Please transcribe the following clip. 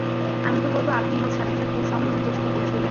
আমি তো বলব আপনিই ওর সাথে সাথে সঙ্ঘমের চেষ্টা করছিলেন।